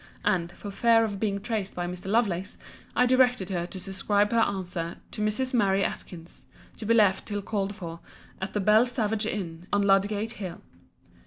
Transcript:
And, for fear of being traced by Mr. Lovelace, I directed her to superscribe her answer, To Mrs. Mary Atkins; to be left till called for, at the Belle Savage Inn, on Ludgate hill.